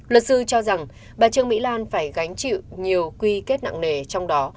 luật sư cho rằng bà trương mỹ lan phải gánh chịu nhiều quy kết nặng nề trong đó